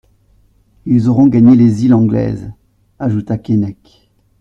Ils auront gagné les îles anglaises, ajouta Keinec.